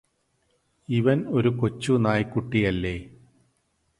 ഇവന് ഒരു കൊച്ചു നായ്ക്കുട്ടിയല്ലേ